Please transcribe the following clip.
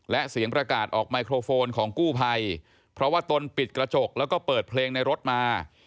และเสียงประกาศออกไมโครโฟนของกู้ภัยเพราะว่าตนปิดกระจกแล้วก็เปิดเพลงในรถมา